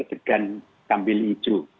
jegan kambil iju